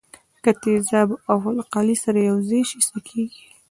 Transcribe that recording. که تیزاب او القلي سره یوځای شي څه کیږي.